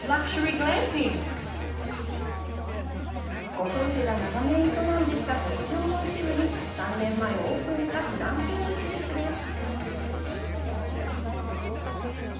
ご夫婦が長年営んできた牧場の一部に３年前オープンしたグランピング施設です。